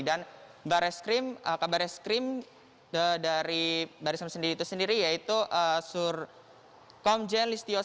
dan baris krim kabaris krim dari baris krim sendiri itu sendiri yaitu surkomjen listiosen